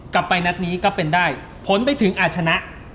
กลับไปนัดนี้ก็เป็นได้ผลไปถึงอาชนะ